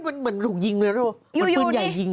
เหมือนหลุงยิงเลยนะรู้หรือเป็นปืนใหญ่ยิง